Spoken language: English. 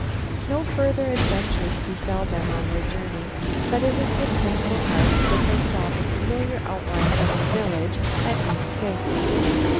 No further adventures befell them on their journey, but it was with thankful hearts that they saw the familiar outlines of the village at East Cape.